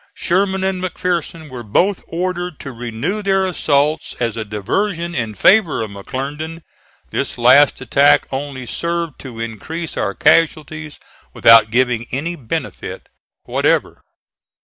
Sherman and McPherson were both ordered to renew their assaults as a diversion in favor of McClernand. This last attack only served to increase our casualties without giving any benefit whatever.